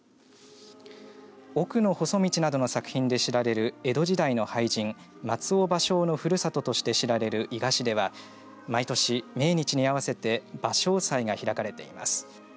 奥の細道などの作品で知られる江戸時代の俳人松尾芭蕉のふるさととして知られる伊賀市では毎年、命日に合わせて芭蕉祭が開かれています。